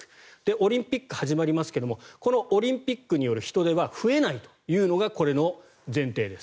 オリンピック始まりますけれどもこのオリンピックによる人出は増えないというのがこれの前提です。